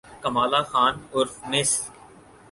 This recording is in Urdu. کمالہ خان عرف مس